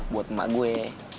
buat emak gue